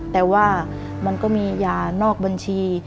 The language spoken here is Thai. แต่ว่ามันก็มียานอกบัญชี